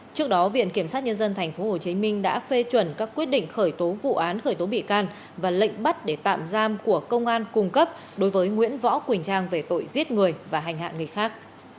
trước đó viện kiểm sát nhân dân tp hcm đã phê chuẩn các quyết định khởi tố vụ án khởi tố bị can và lệnh bắt để tạm giam của công an cung cấp đối với nguyễn võ quỳnh trang về tội giết người và hành hạ người khác